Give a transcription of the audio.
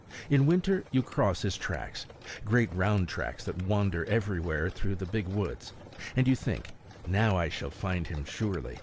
In winter you cross his tracks, great round tracks that wander everywhere through the big woods, and you think: Now I shall find him surely.